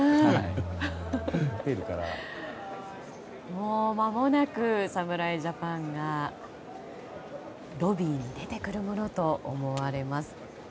もうまもなく侍ジャパンがロビーに出てくるものと思われます。